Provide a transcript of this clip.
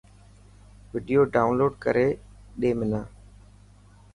وڊيو ڊائونلوڊ ڪري ڏي منا.